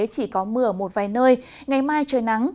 chỉ có mưa ở một vài nơi ngày mai trời nắng